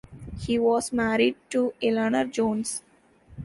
He was married to Eleanor Jones.